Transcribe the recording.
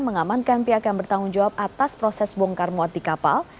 mengamankan pihak yang bertanggung jawab atas proses bongkar muat di kapal